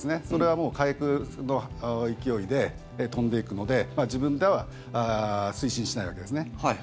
それは火薬の勢いで飛んでいくので自分では推進しないわけですね。